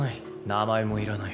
名前もいらない。